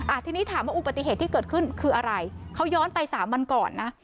ทีนี้ถามว่าอุบัติเหตุที่เกิดขึ้นคืออะไรเขาย้อนไปสามวันก่อนนะ